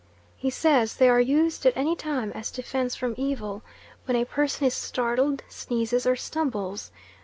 He says they are used at any time as defence from evil, when a person is startled, sneezes, or stumbles.